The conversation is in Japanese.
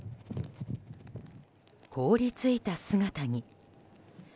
凍り付いた姿に。